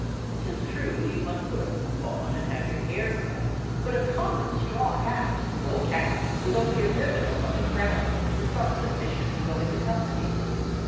'Tis true, you must put a hoop on and have your hair dressed, but a common straw hat, no cap, with only a ribbon upon the crown, is thought sufficient to go into company.